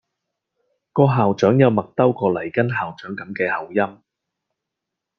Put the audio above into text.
個校長有麥兜個黎根校長咁嘅口音⠀